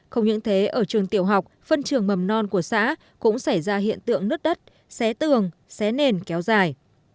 không những thế ở trường tiểu học phân trường mầm non của xã cũng xảy ra hiện tượng nứt đất xé tường xé nền kéo dài